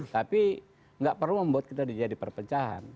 tapi nggak perlu membuat kita menjadi perpencahan